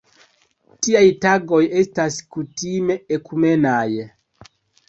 Tiaj tagoj estas kutime ekumenaj.